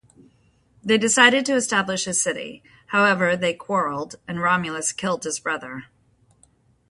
They decided to establish a city; however, they quarreled, and Romulus killed his brother.